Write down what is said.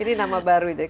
ini nama baru